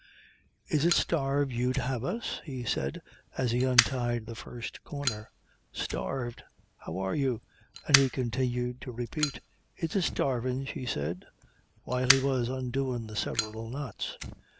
"Is it starved you'd have us?" he said as he untied the first corner. "Starved! How are you?" And he continued to repeat: "Is it starvin' she said?" while he was undoing the several knots.